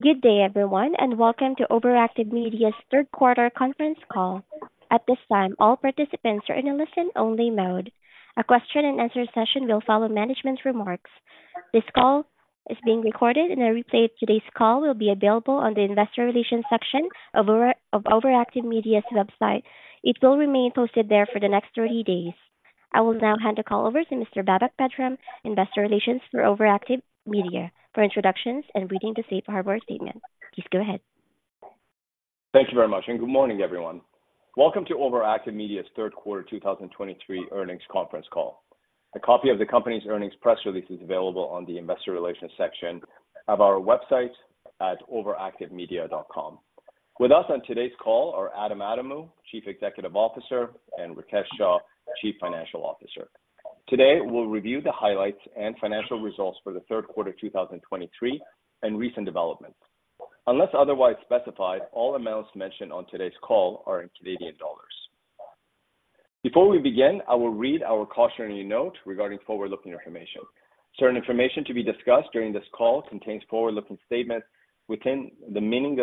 Good day, everyone, and welcome to OverActive Media's third quarter conference call. At this time, all participants are in a listen-only mode. A question and answer session will follow management's remarks. This call is being recorded, and a replay of today's call will be available on the investor relations section of OverActive Media's website. It will remain posted there for the next 30 days. I will now hand the call over to Mr. Babak Pedram, investor relations for OverActive Media, for introductions and reading the safe harbor statement. Please go ahead. Thank you very much, and good morning, everyone. Welcome to OverActive Media's third quarter 2023 earnings conference call. A copy of the company's earnings press release is available on the investor relations section of our website at overactivemedia.com. With us on today's call are Adam Adamou, Chief Executive Officer, and Rikesh Shah, Chief Financial Officer. Today, we'll review the highlights and financial results for the third quarter 2023 and recent developments. Unless otherwise specified, all amounts mentioned on today's call are in Canadian dollars. Before we begin, I will read our cautionary note regarding forward-looking information. Certain information to be discussed during this call contains forward-looking statements within the meaning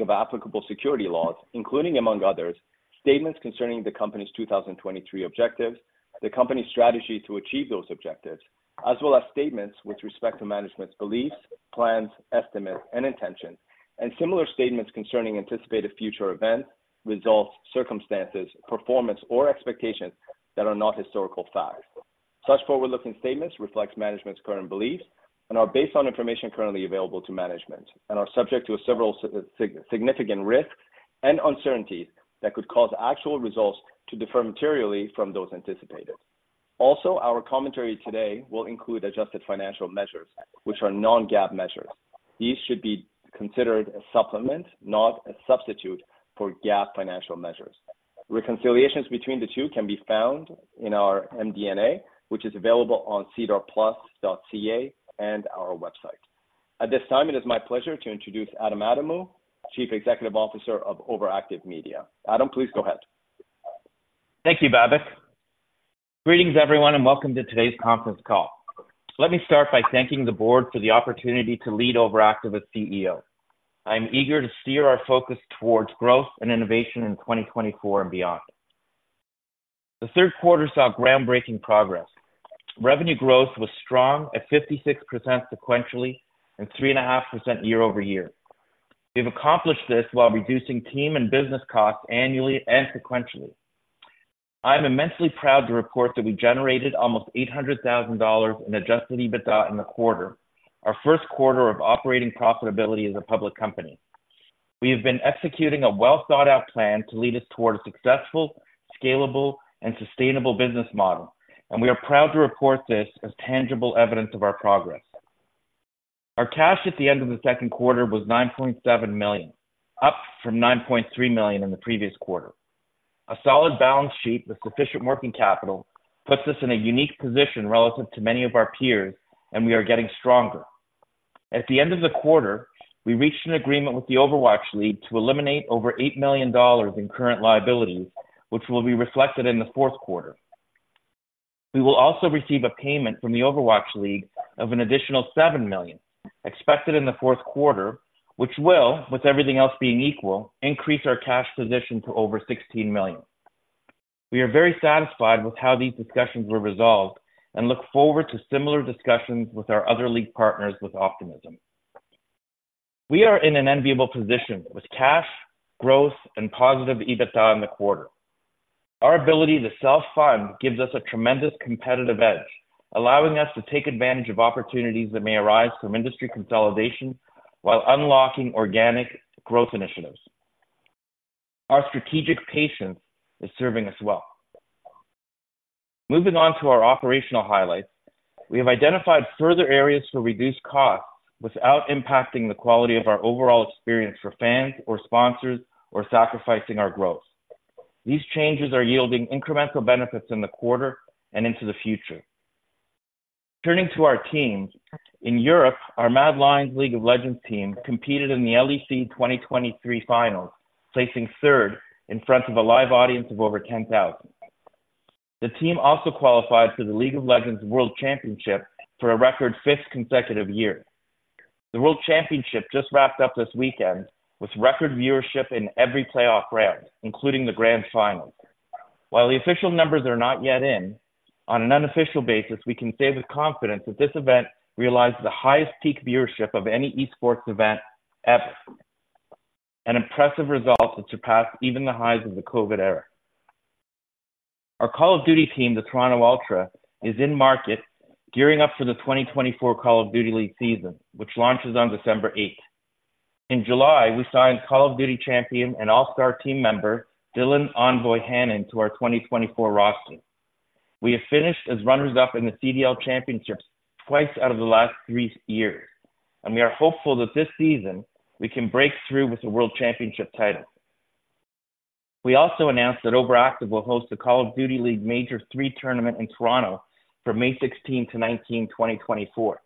of applicable security laws, including, among others, statements concerning the Company's 2023 objectives, the company's strategy to achieve those objectives, as well as statements with respect to management's beliefs, plans, estimates, and intentions, and similar statements concerning anticipated future events, results, circumstances, performance, or expectations that are not historical facts. Such forward-looking statements reflect management's current beliefs and are based on information currently available to management and are subject to several significant risks and uncertainties that could cause actual results to differ materially from those anticipated. Also, our commentary today will include adjusted financial measures, which are non-GAAP measures. These should be considered a supplement, not a substitute, for GAAP financial measures. Reconciliations between the two can be found in our MD&A, which is available on SEDAR+.ca and our website. At this time, it is my pleasure to introduce Adam Adamou, Chief Executive Officer of OverActive Media. Adam, please go ahead. Thank you, Babak. Greetings, everyone, and welcome to today's conference call. Let me start by thanking the board for the opportunity to lead OverActive as CEO. I'm eager to steer our focus toward growth and innovation in 2024 and beyond. The third quarter saw groundbreaking progress. Revenue growth was strong at 56% sequentially and 3.5% year-over-year. We've accomplished this while reducing team and business costs annually and sequentially. I'm immensely proud to report that we generated almost 800,000 dollars in Adjusted EBITDA in the quarter, our first quarter of operating profitability as a public company. We have been executing a well-thought-out plan to lead us toward a successful, scalable, and sustainable business model, and we are proud to report this as tangible evidence of our progress. Our cash at the end of the second quarter was 9.7 million, up from 9.3 million in the previous quarter. A solid balance sheet with sufficient working capital puts us in a unique position relative to many of our peers, and we are getting stronger. At the end of the quarter, we reached an agreement with the Overwatch League to eliminate over 8 million dollars in current liabilities, which will be reflected in the fourth quarter. We will also receive a payment from the Overwatch League of an additional 7 million, expected in the fourth quarter, which will, with everything else being equal, increase our cash position to over 16 million. We are very satisfied with how these discussions were resolved and look forward to similar discussions with our other league partners with optimism. We are in an enviable position with cash, growth, and positive EBITDA in the quarter. Our ability to self-fund gives us a tremendous competitive edge, allowing us to take advantage of opportunities that may arise from industry consolidation while unlocking organic growth initiatives. Our strategic patience is serving us well. Moving on to our operational highlights, we have identified further areas to reduce costs without impacting the quality of our overall experience for fans or sponsors or sacrificing our growth. These changes are yielding incremental benefits in the quarter and into the future. Turning to our teams. In Europe, our MAD Lions League of Legends team competed in the LEC 2023 finals, placing third in front of a live audience of over 10,000. The team also qualified for the League of Legends World Championship for a record fifth consecutive year. The world championship just wrapped up this weekend with record viewership in every playoff round, including the grand finals. While the official numbers are not yet in, on an unofficial basis, we can say with confidence that this event realized the highest peak viewership of any esports event ever, an impressive result that surpassed even the highs of the COVID era. Our Call of Duty team, the Toronto Ultra, is in-market, gearing up for the 2024 Call of Duty League season, which launches on December 8th. In July, we signed Call of Duty champion and All-Star team member Dylan "Envoy" Hannon to our 2024 roster. We have finished as runners-up in the CDL championships twice out of the last three years, and we are hopeful that this season we can break through with a world championship title. We also announced that OverActive will host the Call of Duty League Major III Tournament in Toronto from May 16-19, 2024.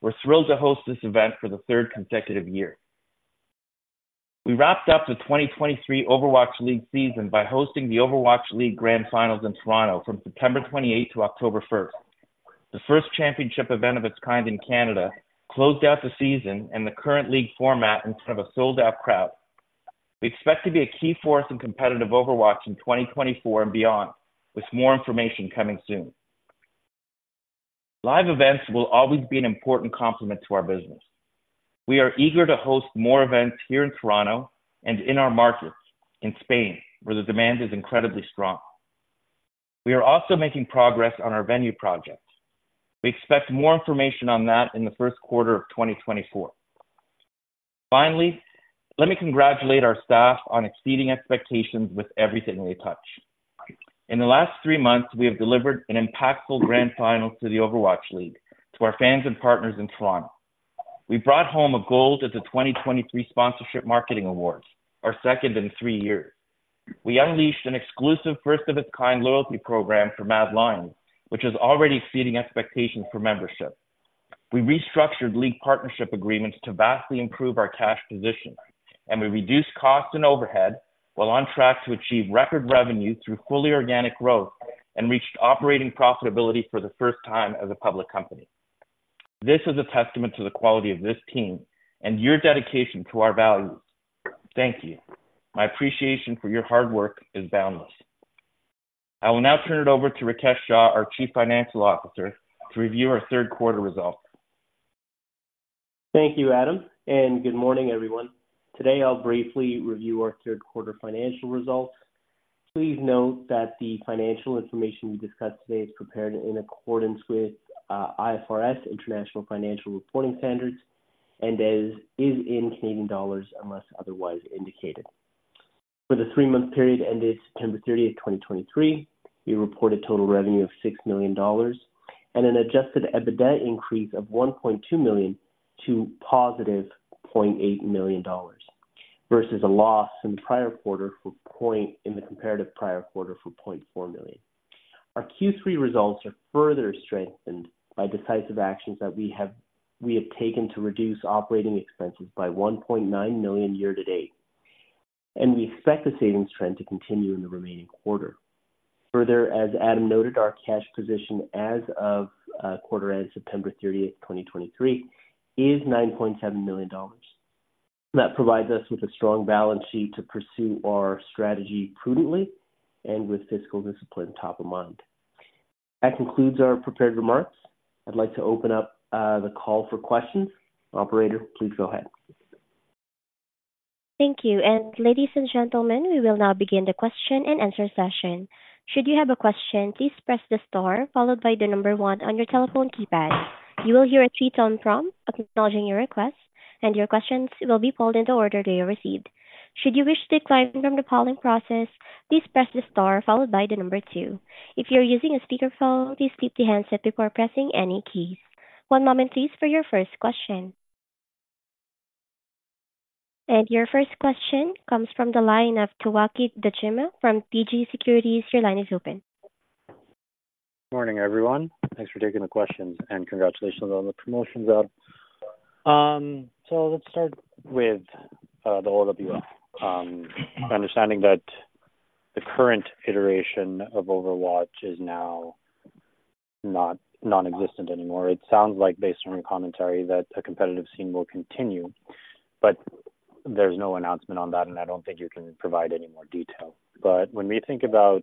We're thrilled to host this event for the third consecutive year... We wrapped up the 2023 Overwatch League season by hosting the Overwatch League Grand Finals in Toronto from September 28 to October 1. The first championship event of its kind in Canada closed out the season and the current league format in front of a sold-out crowd. We expect to be a key force in competitive Overwatch in 2024 and beyond, with more information coming soon. Live events will always be an important complement to our business. We are eager to host more events here in Toronto and in our markets in Spain, where the demand is incredibly strong. We are also making progress on our venue projects. We expect more information on that in the first quarter of 2024. Finally, let me congratulate our staff on exceeding expectations with everything they touch. In the last three months, we have delivered an impactful grand final to the Overwatch League, to our fans and partners in Toronto. We brought home a gold at the 2023 Sponsorship Marketing Awards, our second in three years. We unleashed an exclusive first-of-its-kind loyalty program for MAD Lions, which is already exceeding expectations for membership. We restructured league partnership agreements to vastly improve our cash position, and we reduced costs and overhead while on track to achieve record revenue through fully organic growth and reached operating profitability for the first time as a public company. This is a testament to the quality of this team and your dedication to our values. Thank you. My appreciation for your hard work is boundless. I will now turn it over to Rikesh Shah, our Chief Financial Officer, to review our third quarter results. Thank you, Adam, and good morning, everyone. Today, I'll briefly review our third quarter financial results. Please note that the financial information we discuss today is prepared in accordance with IFRS, International Financial Reporting Standards, and as is in Canadian dollars, unless otherwise indicated. For the three-month period ended September 30, 2023, we reported total revenue of 6 million dollars and an Adjusted EBITDA increase of 1.2 million to positive 0.8 million dollars, versus a loss in the comparative prior quarter of 0.4 million. Our Q3 results are further strengthened by decisive actions that we have taken to reduce operating expenses by 1.9 million year-to-date, and we expect the savings trend to continue in the remaining quarter. Further, as Adam noted, our cash position as of quarter-end September 30, 2023, is 9.7 million dollars. That provides us with a strong balance sheet to pursue our strategy prudently and with fiscal discipline top of mind. That concludes our prepared remarks. I'd like to open up the call for questions. Operator, please go ahead. Thank you. Ladies and gentlemen, we will now begin the question and answer session. Should you have a question, please press the star followed by the number 1 on your telephone keypad. You will hear a three-tone prompt acknowledging your request, and your questions will be pulled in the order they are received. Should you wish to decline from the polling process, please press the star followed by the number two. If you're using a speakerphone, please keep the handset before pressing any keys. One moment, please, for your first question. Your first question comes from the line of Towaki Dojima from TD Securities. Your line is open. Morning, everyone. Thanks for taking the questions, and congratulations on the promotions, Adam. So let's start with the OWL. Understanding that the current iteration of Overwatch is now not nonexistent anymore, it sounds like, based on your commentary, that the competitive scene will continue, but there's no announcement on that, and I don't think you can provide any more detail. But when we think about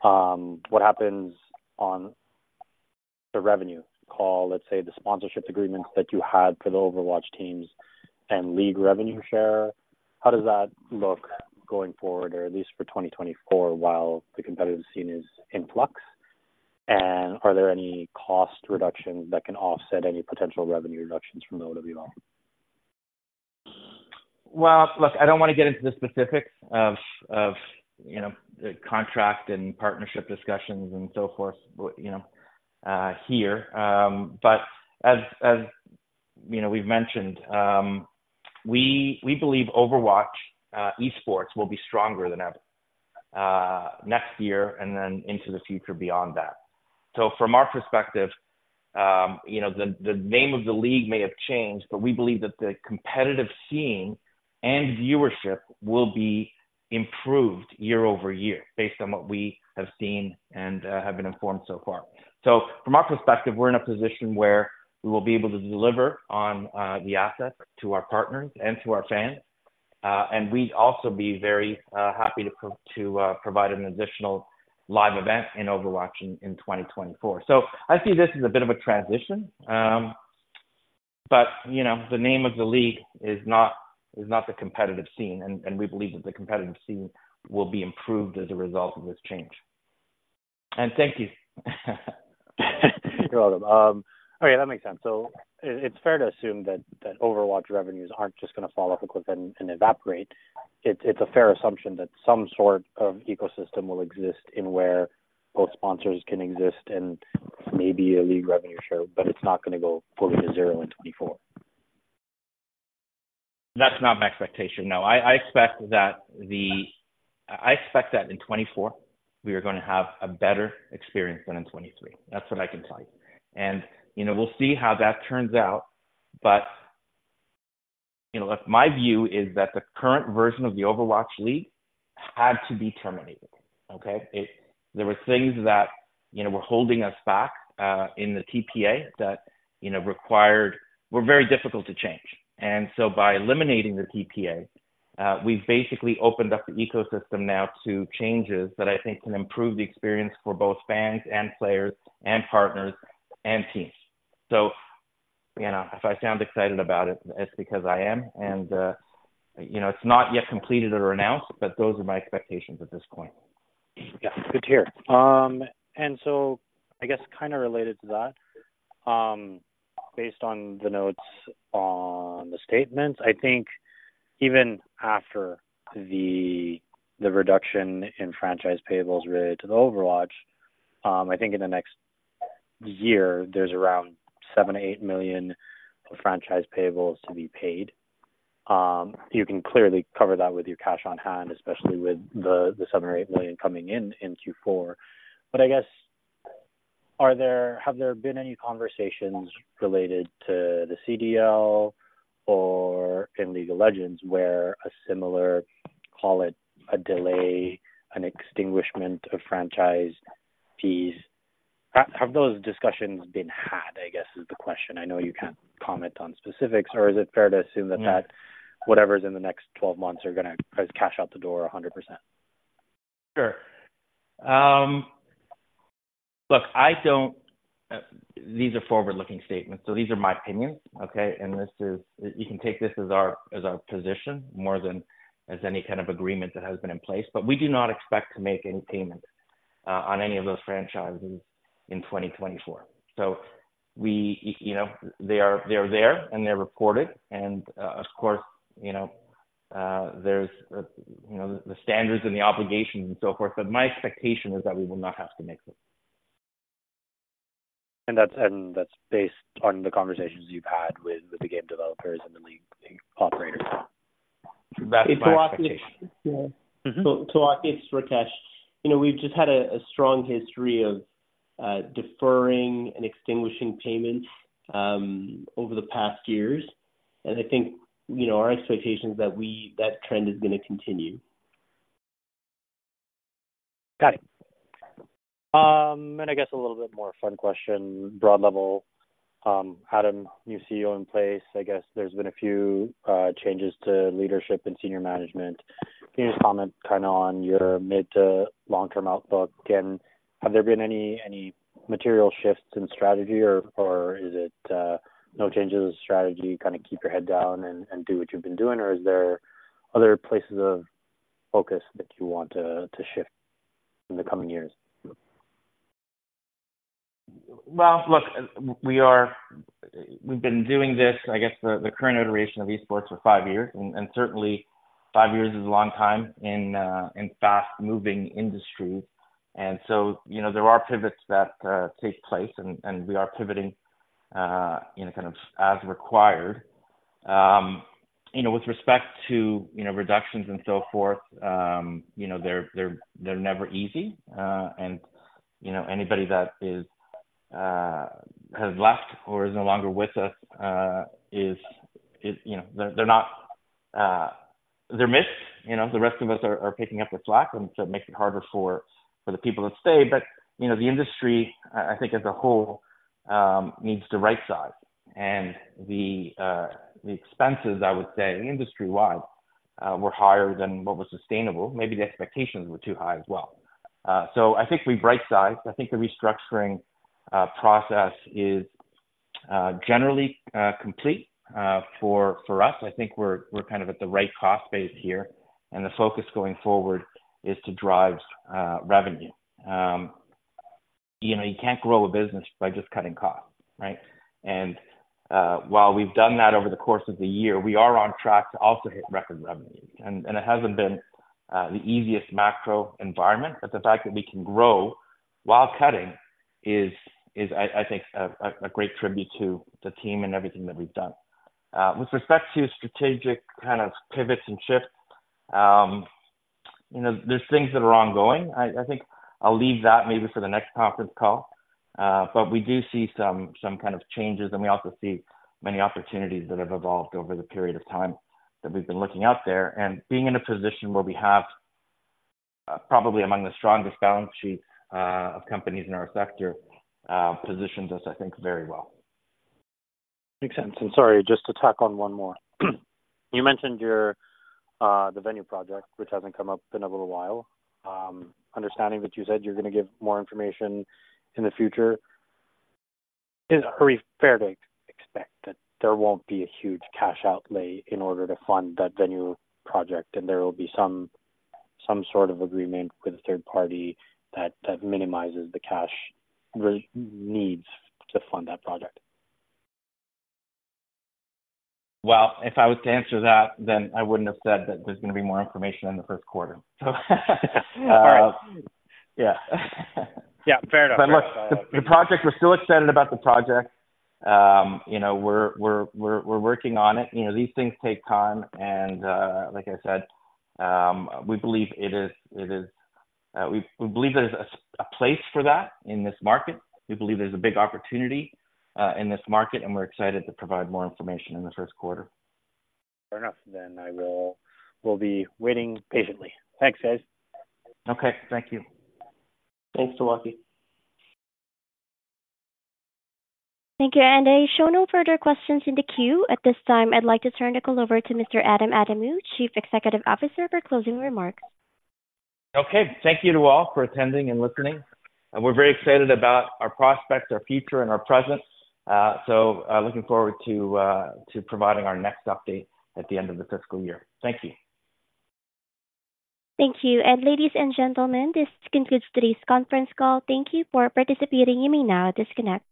what happens on the revenue call, let's say, the sponsorship agreements that you had for the Overwatch teams and league revenue share, how does that look going forward, or at least for 2024, while the competitive scene is in flux? And are there any cost reductions that can offset any potential revenue reductions from the OWL? Well, look, I don't want to get into the specifics of, of, you know, contract and partnership discussions and so forth, but, you know, here. But as you know, we've mentioned, we believe Overwatch esports will be stronger than ever next year and then into the future beyond that. So from our perspective, you know, the name of the league may have changed, but we believe that the competitive scene and viewership will be improved year-over-year based on what we have seen and have been informed so far. So from our perspective, we're in a position where we will be able to deliver on the assets to our partners and to our fans. And we'd also be very happy to provide an additional live event in Overwatch in 2024. So I see this as a bit of a transition, but, you know, the name of the league is not, is not the competitive scene, and, and we believe that the competitive scene will be improved as a result of this change. Thank you. You're welcome. Okay, that makes sense. So it's fair to assume that Overwatch revenues aren't just going to fall off a cliff and evaporate. It's a fair assumption that some sort of ecosystem will exist in where both sponsors can exist and maybe a league revenue share, but it's not going to go fully to zero in 2024. That's not my expectation, no. I expect that in 2024, we are going to have a better experience than in 2023. That's what I can tell you. And, you know, we'll see how that turns out. But, you know, look, my view is that the current version of the Overwatch League had to be terminated, okay? It. There were things that, you know, were holding us back in the TPA that, you know, required were very difficult to change. And so by eliminating the TPA, we've basically opened up the ecosystem now to changes that I think can improve the experience for both fans and players and partners and teams. So, you know, if I sound excited about it, it's because I am. And, you know, it's not yet completed or announced, but those are my expectations at this point. Yeah, good to hear. And so I guess kind of related to that, based on the notes on the statements, I think even after the reduction in franchise payables related to the Overwatch, I think in the next year, there's around 7- 8 million of franchise payables to be paid. You can clearly cover that with your cash on hand, especially with the seven or eight million coming in in Q4. But I guess, have there been any conversations related to the CDL or in League of Legends, where a similar, call it, a delay, an extinguishment of franchise fees? Have those discussions been had, I guess, is the question. I know you can't comment on specifics. Or is it fair to assume that whatever's in the next 12 months is gonna be cash out the door 100%? Sure. Look, I don't... These are forward-looking statements, so these are my opinions, okay? And this is, you can take this as our, as our position more than as any kind of agreement that has been in place. But we do not expect to make any payments on any of those franchises in 2024. So we, you know, they are, they are there, and they're reported, and, of course, you know, there's, you know, the standards and the obligations and so forth. But my expectation is that we will not have to make them. And that's based on the conversations you've had with the game developers and the league operators? That's my expectation. Yeah. Mm-hmm. So, it's Rikesh. You know, we've just had a strong history of deferring and extinguishing payments over the past years. And I think, you know, our expectation is that we - that trend is gonna continue. Got it. And I guess a little bit more fun question, broad level. Adam, new CEO in place, I guess there's been a few changes to leadership and senior management. Can you just comment kind of on your mid to long-term outlook? And have there been any, any material shifts in strategy or, or is it no changes in strategy, kind of keep your head down and, and do what you've been doing? Or is there other places of focus that you want to, to shift in the coming years? Well, look, we've been doing this, I guess, the current iteration of esports for five years, and certainly, five years is a long time in a fast-moving industry. And so, you know, there are pivots that take place, and we are pivoting, you know, kind of as required. You know, with respect to, you know, reductions and so forth, you know, they're never easy. And, you know, anybody that has left or is no longer with us is, you know, they're missed. You know, the rest of us are picking up the slack, and so it makes it harder for the people to stay. But, you know, the industry, I think, as a whole needs to right size. And the expenses, I would say, industry-wide, were higher than what was sustainable. Maybe the expectations were too high as well. So I think we right-sized. I think the restructuring process is generally complete for us. I think we're kind of at the right cost base here, and the focus going forward is to drive revenue. You know, you can't grow a business by just cutting costs, right? And while we've done that over the course of the year, we are on track to also hit record revenue. And it hasn't been the easiest macro environment, but the fact that we can grow while cutting is, I think, a great tribute to the team and everything that we've done. With respect to strategic kind of pivots and shifts, you know, there's things that are ongoing. I think I'll leave that maybe for the next conference call. But we do see some kind of changes, and we also see many opportunities that have evolved over the period of time that we've been looking out there. And being in a position where we have probably among the strongest balance sheet of companies in our sector positions us, I think, very well. Makes sense. Sorry, just to tack on one more. You mentioned your the venue project, which hasn't come up in a little while. Understanding that you said you're gonna give more information in the future, are we fair to expect that there won't be a huge cash outlay in order to fund that venue project, and there will be some sort of agreement with a third party that minimizes the cash requirements to fund that project? Well, if I was to answer that, then I wouldn't have said that there's gonna be more information in the first quarter. So, All right. Yeah. Yeah, fair enough. But look, the project. We're still excited about the project. You know, we're working on it. You know, these things take time, and like I said, we believe there's a place for that in this market. We believe there's a big opportunity in this market, and we're excited to provide more information in the first quarter. Fair enough, then I will be waiting patiently. Thanks, guys. Okay. Thank you. Thanks, Towaki. Thank you. I show no further questions in the queue. At this time, I'd like to turn the call over to Mr. Adam Adamou, Chief Executive Officer, for closing remarks. Okay. Thank you to all for attending and listening. We're very excited about our prospects, our future, and our present. So, looking forward to providing our next update at the end of the fiscal year. Thank you. Thank you. And ladies and gentlemen, this concludes today's conference call. Thank you for participating. You may now disconnect.